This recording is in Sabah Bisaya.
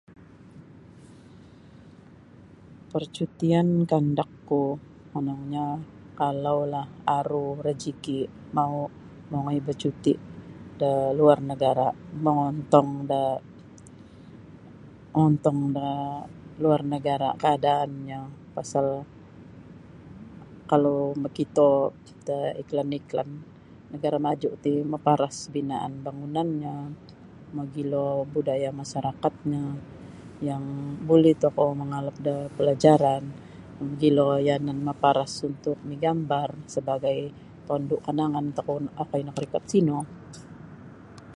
Parcutian kandakku monongnyo kalaulah aru rajiki mau mongoi bacuti da luar nagara mongontong do mongontong da luar nagara kaadaannyo pasal kalau makito da iklan-iklan nagara maju ti maparas binaan bangunannyo mogilo budaya masarakatnyo yang buli tokou mangalap da palajaran mogilo yanan maparas untuk migambar sebagai tondu kanangan okoi nakarikot sino.